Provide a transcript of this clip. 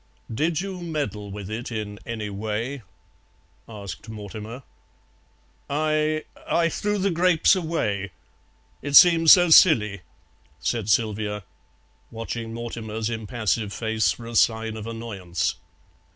"Did you meddle with it in any way?" asked Mortimer. "I I threw the grapes away. It seemed so silly," said Sylvia, watching Mortimer's impassive face for a sign of annoyance.